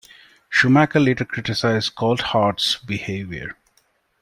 Schumacher later criticized Coulthard's behaviour.